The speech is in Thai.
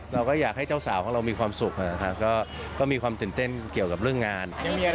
เราก็อยากให้เจ้าสาวของเรามีความสุขนะครับก็มีความตื่นเต้นเกี่ยวกับเรื่องงาน